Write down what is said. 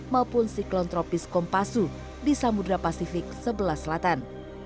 maupun siklon tropis kompasu di samudera pasifik sebelah selatan